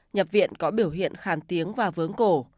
nhập viện có biểu hiện khàn tiếng và vướng cổ